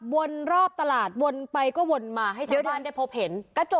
วนรอบตลาดวนไปก็วนมาให้ชาวบ้านได้พบเห็น